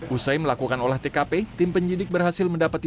usai melakukan olah tkp tim penyidik berhasil mendapati